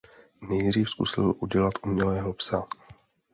Nejdřív zkusil udělat umělého psa.